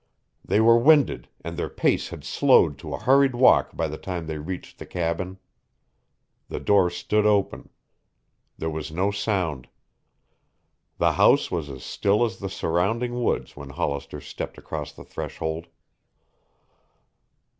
They were winded, and their pace had slowed to a hurried walk by the time they reached the cabin. The door stood open. There was no sound. The house was as still as the surrounding woods when Hollister stepped across the threshold.